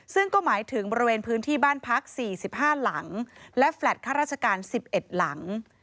ซึ่งก็หมายถึงบริเวณพื้นที่บ้านพัก๔๕หลังและแฟลตข้าราชการ๑๑หลัง